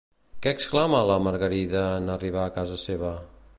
Què exclama a la Margarida en arribar a casa seva?